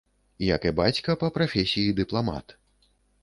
Як і бацька, па прафесіі дыпламат.